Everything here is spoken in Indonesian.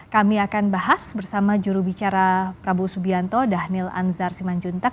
kami akan bahas bersama jurubicara prabowo subianto dhanil anzar simanjuntak